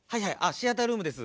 シアタールームです。